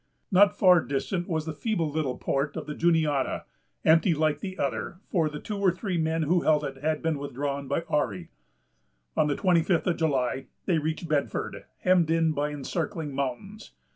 Not far distant was the feeble little port of the Juniata, empty like the other; for the two or three men who held it had been withdrawn by Ourry. On the twenty fifth of July, they reached Bedford, hemmed in by encircling mountains.